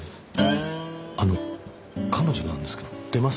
あの彼女なんですけども出ます？